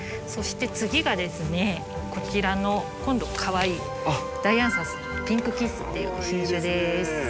そして次がですねこちらの今度かわいいダイアンサス・ピンクキッスっていう品種です。